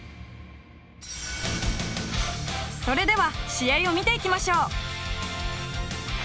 それでは試合を見ていきましょう！